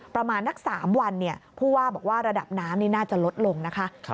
ประมาณนัก๓วันผู้ว่าบอกว่าระดับน้ำนี่น่าจะลดลงนะคะ